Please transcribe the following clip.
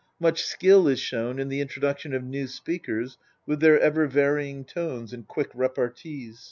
Much skill is shown in "the introduction of new speakers, with their ever varying tones, and quick repartees.